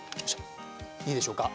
いいでしょうか？